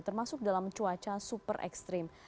termasuk dalam cuaca super ekstrim